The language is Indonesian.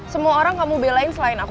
semua orang kamu belain selain aku